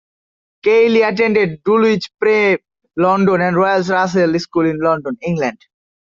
Keighley attended Dulwich Prep London and Royal Russell School in London, England.